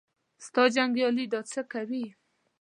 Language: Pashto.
ستا جنګیالي دا څه کوي.